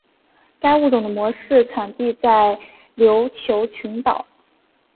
该物种的模式产地在琉球群岛。